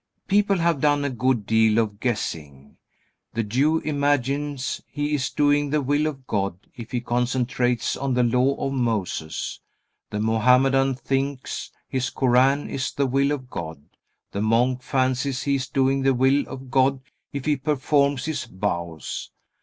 People have done a good deal of guessing. The Jew imagines he is doing the will of God if he concentrates on the Law of Moses. The Mohammedan thinks his Koran is the will of God. The monk fancies he is doing the will of God if he performs his vows.